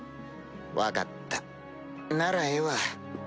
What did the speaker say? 分かったならええわ。